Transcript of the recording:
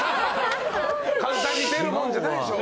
簡単に出るもんじゃないでしょ。